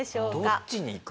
どっちにいく？